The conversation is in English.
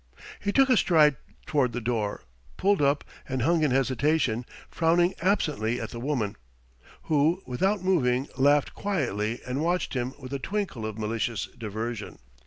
He took a stride toward the door, pulled up, and hung in hesitation, frowning absently at the woman; who, without moving, laughed quietly and watched him with a twinkle of malicious diversion.